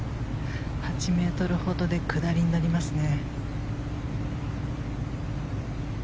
８ｍほどで下りになりますね。